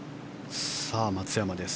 松山です。